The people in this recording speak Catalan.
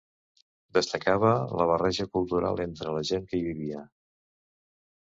Destacava la barreja cultural entre la gent que hi vivia...